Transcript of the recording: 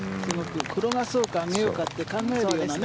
転がそうか上げようかって考えるような。